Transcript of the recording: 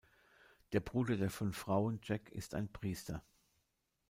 Der Bruder der fünf Frauen, Jack, ist ein Priester.